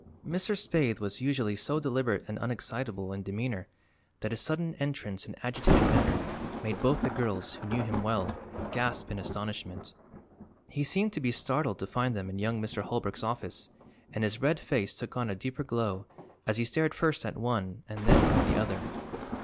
Mr. Spaythe was usually so deliberate and unexcitable in demeanor that his sudden entrance and agitated manner made both the girls, who knew him well, gasp in astonishment. He seemed to be startled to find them in young Mr. Holbrook's office and his red face took on a deeper glow as he stared first at one and then at the other.